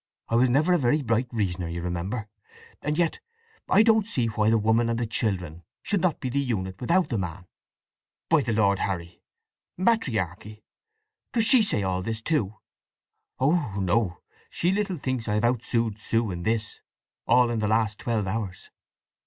"I was never a very bright reasoner, you remember. … And yet, I don't see why the woman and the children should not be the unit without the man." "By the Lord Harry!—Matriarchy! … Does she say all this too?" "Oh no. She little thinks I have out Sued Sue in this—all in the last twelve hours!"